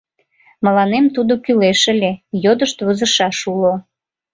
Мыланем тудо кӱлеш ыле: йодышт возышаш уло.